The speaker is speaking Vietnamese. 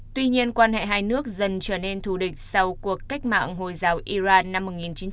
tuy nhiên quan hệ hai nước dần trở nên thù địch sau cuộc cách mạng hồi giáo iran năm một nghìn chín trăm bốn mươi năm